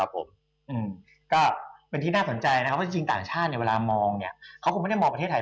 ผมมองงานหาประเทศไทยเป็นไม่ใช่คนเดียว